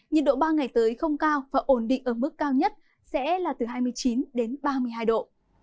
nhiệt độ ba ngày tới không cao và ổn định ở mức cao nhất sẽ là từ hai mươi chín ba mươi hai độ